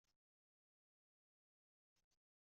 I Ṛebbi ɛzem aḍris illan adday.